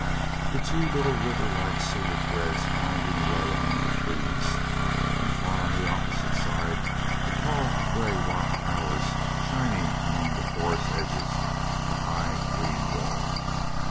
The two little river like silver threads winding away among the trees, and far on the opposite side the tall gray rock towers shining among the forest edges of the high green wall.